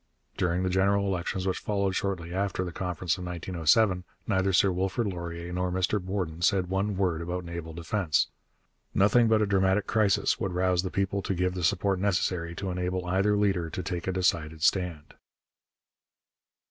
During the general elections which followed shortly after the Conference of 1907, neither Sir Wilfrid Laurier nor Mr Borden said one word about naval defence. Nothing but a dramatic crisis would rouse the people to give the support necessary to enable either leader to take a decided stand.